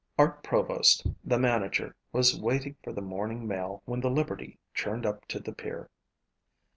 Art Provost, the manager, was waiting for the morning mail when the Liberty churned up to the pier.